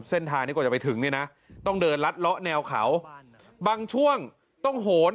เส้นทางนี้กว่าจะไปถึงเนี่ยนะต้องเดินลัดเลาะแนวเขาบางช่วงต้องโหน